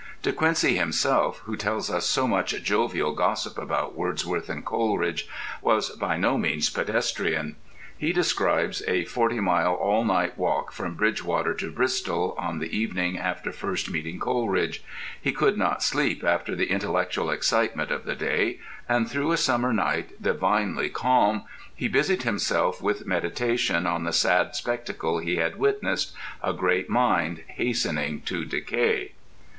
De Quincey himself, who tells us so much jovial gossip about Wordsworth and Coleridge, was no mean pedestrian. He describes a forty mile all night walk from Bridgewater to Bristol, on the evening after first meeting Coleridge. He could not sleep after the intellectual excitement of the day, and through a summer night "divinely calm" he busied himself with meditation on the sad spectacle he had witnessed: a great mind hastening to decay.